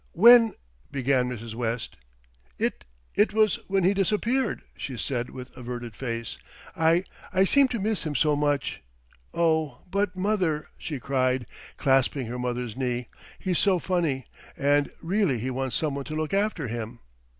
"When " began Mrs. West. "It it was when he disappeared," she said with averted face. "I I seemed to miss him so much. Oh! but mother," she cried, clasping her mother's knee, "he's so funny, and really he wants someone to look after him.